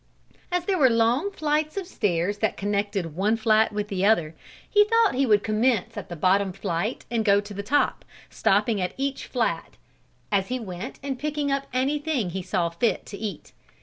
As there were long flights of stairs that connected one flat with the other, he thought he would commence at the bottom flight and go to the top, stopping at each flat as he went and picking up anything he saw fit to eat.